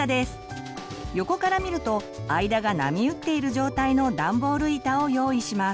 横から見ると間が波打っている状態のダンボール板を用意します。